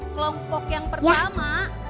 kelompok yang pertama